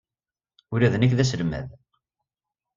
Ula d nekk d aselmad.